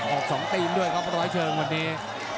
ออก๒ทีมด้วยครับร้อยเชิงวันนี้